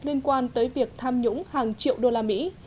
liên quan tới việc tham nhũng hàng triệu đô la mỹ